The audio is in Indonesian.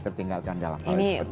tertinggalkan dalam hal seperti itu